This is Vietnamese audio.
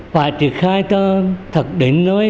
phải triệt khai cho thật đến nơi